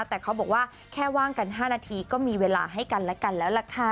แต่เขาบอกว่าแค่ว่างกัน๕นาทีก็มีเวลาให้กันและกันแล้วล่ะค่ะ